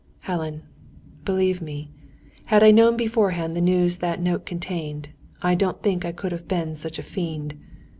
"Helen, believe me, had I known beforehand the news that note contained, I don't think I could have been such a fiend.